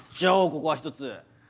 ここはひとつ。